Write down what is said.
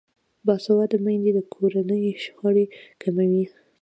باسواده میندې د کورنۍ شخړې کموي.